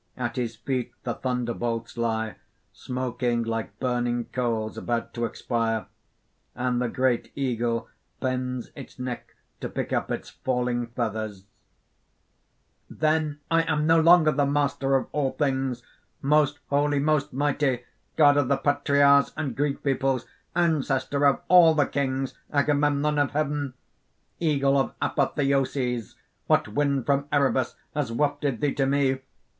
At his feet the thunderbolts lie, smoking like burning coals about to expire; and the great eagle bends its neck to pick up its falling feathers_): "Then I am no longer the master of all things, most holy, most mighty, god of the phatrias and Greek peoples, ancestor of all the Kings, Agamemnon of heaven. "Eagle of apotheoses, what wind from Erebus has wafted thee to me?